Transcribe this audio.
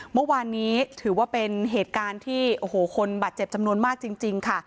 เมื่อวานนี้ถือว่าเป็นเหตุการณ์ที่โอ้โหคนบาดเจ็บจำนวนมากจริงค่ะ